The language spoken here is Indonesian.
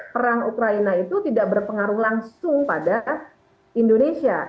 perang ukraina itu tidak berpengaruh langsung pada indonesia